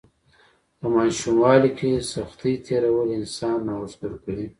په ماشوموالي کې سختۍ تیرول انسان نوښتګر کوي.